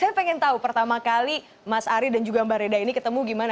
saya pengen tahu pertama kali mas ari dan juga mbak reda ini ketemu gimana